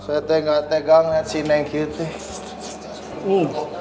saya teh gak tegang lihat si neng gitu